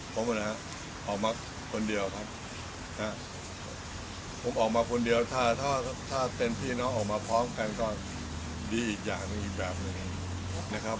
ครบหมดนะครับออกมาคนเดียวครับผมออกมาคนเดียวถ้าถ้าเป็นพี่น้องออกมาพร้อมกันก็ดีอีกอย่างหนึ่งอีกแบบหนึ่งนะครับ